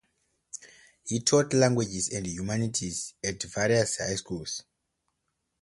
He taught language and humanities at various high schools.